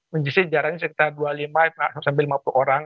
menjisi jaraknya sekitar dua puluh lima sampai lima puluh orang